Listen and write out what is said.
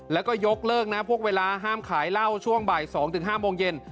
แล้วก็ยกเลิกนะพวกเวลาห้ามขายเหล้าช่วงบ่าย๒๕โมงเย็น